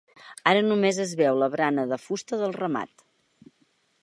Ara només es veu la barana de fusta del remat.